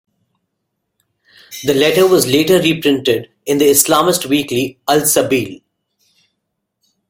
The letter was later reprinted in the Islamist weekly "Al Sabil".